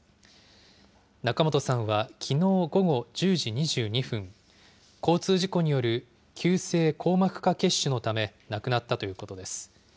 仲本さんはきのう午後１０時２２分、交通事故による急性硬膜下血腫のため亡くなったということです。